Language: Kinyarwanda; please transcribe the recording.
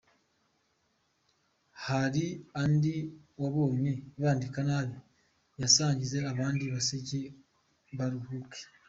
Hari andi wabonye bandika nabi? yasangize abandi baseke baruhuke.